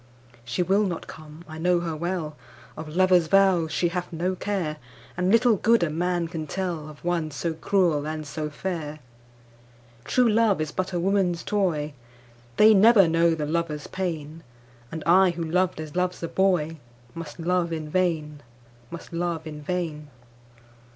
She will not come, I know her well, Of lover's vows she hath no care, And little good a man can tellOf one so cruel and so fair. True love is but a woman's toy, They never know the lover's pain, And I who loved as loves a boyMust love in vain, must love in vain.